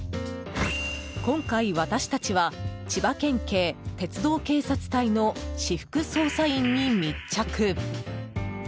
今回、私たちは千葉県警鉄道警察隊の私服捜査員に密着。